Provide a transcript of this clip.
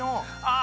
あ！